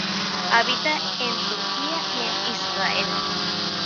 Habita en Turquía y en Israel.